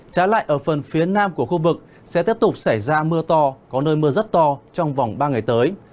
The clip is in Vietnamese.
trái lại ở phần phía nam của khu vực sẽ tiếp tục xảy ra mưa to có nơi mưa rất to trong vòng ba ngày tới